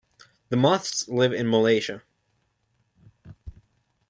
The moths live in Malesia.